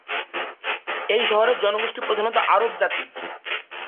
এই শহরের জনগোষ্ঠী প্রধানত আরব জাতি।